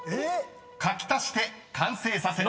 ［描き足して完成させろ］